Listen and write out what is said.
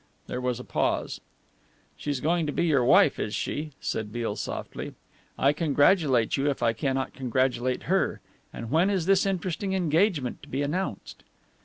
There was a pause. "She is going to be your wife, is she?" said Beale softly. "I congratulate you if I cannot congratulate her. And when is this interesting engagement to be announced?"